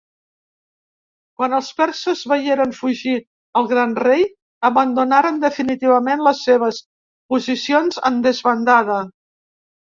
Quan els perses veieren fugir al Gran Rei, abandonaren definitivament les seves posicions en desbandada.